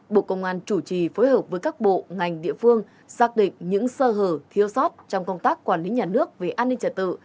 bộ công an chủ trì phối hợp với các bộ ngành địa phương xác định những sơ hở thiếu sót trong công tác quản lý nhà nước về an ninh trật tự